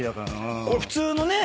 普通のね